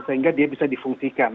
sehingga dia bisa difungsikan